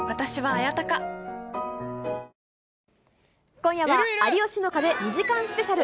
今夜は、有吉の壁２時間スペシャル。